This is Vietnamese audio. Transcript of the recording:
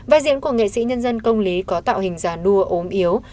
vai diễn của nghệ sĩ nhân dân công lý có tạo hình già đua ốm yếu